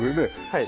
はい。